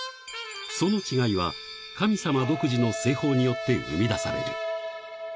その違いは、神様独自の製法によって生み出される。